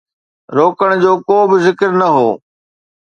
روڪڻ جو ڪو به ذڪر نه هو.